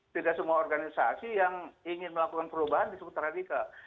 tidak semua organisasi yang ingin melakukan perubahan disebut radikal